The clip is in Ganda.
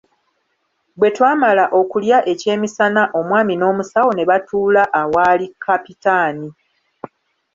Bwe twamala okulya ekyemisana omwami n'omusawo ne batuula awaali Kapitaani.